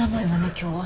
今日は。